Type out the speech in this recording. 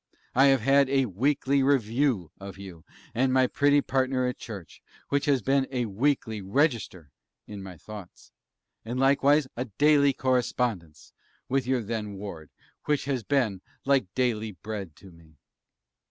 I have had a 'WEEKLY REVIEW' of you and my pretty partner at Church, which has been a 'WEEKLY REGISTER' in my thoughts; and likewise a daily correspondence with your then Ward, which has been like daily bread to me.